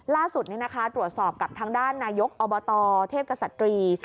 ล่าสุดตรวจสอบกับทางด้านนายกอบตเทพกษัตรี